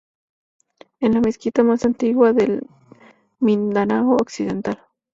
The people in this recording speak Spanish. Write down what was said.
Es la mezquita más antigua de Mindanao Occidental.